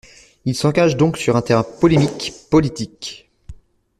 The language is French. Il s’engage donc sur un terrain polémique, politique.